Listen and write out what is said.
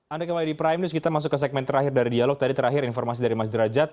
anda kembali di prime news kita masuk ke segmen terakhir dari dialog tadi terakhir informasi dari mas derajat